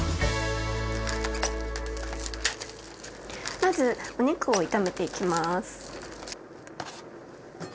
まずお肉を炒めていきます。